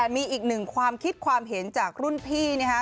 มีอีกหนึ่งความคิดความเห็นจากรุ่นพี่นะฮะ